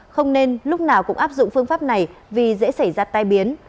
không nên lúc nào cũng áp dụng phương pháp này vì dễ xảy ra tai biến